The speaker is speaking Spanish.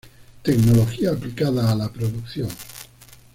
Tecnología aplicada a la Producción.